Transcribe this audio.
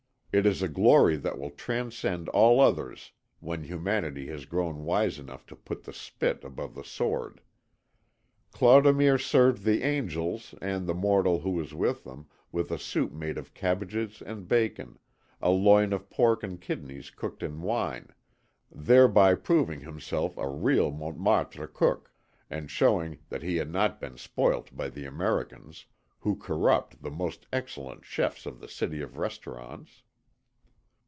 It is a glory that will transcend all others when humanity has grown wise enough to put the spit above the sword. Clodomir served the angels, and the mortal who was with them, with a soup made of cabbages and bacon, a loin of pork and kidneys cooked in wine, thereby proving himself a real Montmartre cook, and showing that he had not been spoilt by the Americans, who corrupt the most excellent chefs of the City of Restaurants.